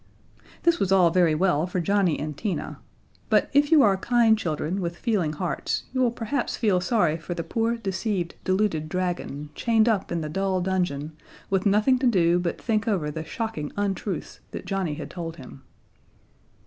This was all very well for Johnnie and Tina; but if you are kind children with feeling hearts you will perhaps feel sorry for the poor deceived, deluded dragon chained up in the dull dungeon, with nothing to do but to think over the shocking untruths that Johnnie had told him.